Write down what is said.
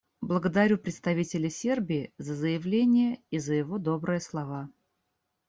Благодарю представителя Сербии за заявление и за его добрые слова.